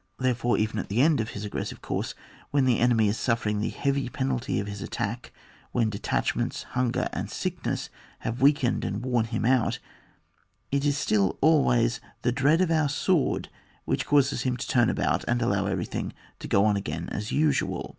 Therefore, even at the end of his aggressive course, when the enemy is suffering the heavy penalty of his attack, when detachments, hunger, and sickness have weakened and worn him out, it is still always the dread of our sword which causes him to turn about, and allow everything to go on again as usual.